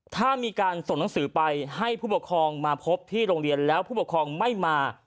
ถ้ามีการส่งหนังสือไปให้ผู้ปกครองมาพบที่โรงเรียนแล้วผู้ปกครองไม่มา